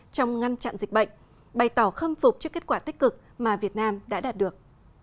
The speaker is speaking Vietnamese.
trong ngăn chặn dịch bệnh bày tỏ khâm phục cho kết quả tích cực mà việt nam đã đạt được